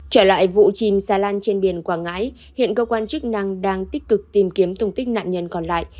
trở lại vụ chìm xà lan trên biển quảng ngãi hiện cơ quan chức năng đang tích cực tìm kiếm tung tích nạn nhân còn lại